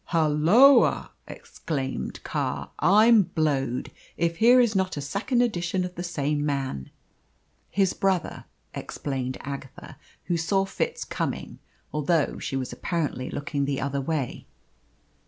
"Holloa!" exclaimed Carr, "I'm blowed if here is not a second edition of the same man." "His brother," explained Agatha, who saw Fitz coming, although she was apparently looking the other way.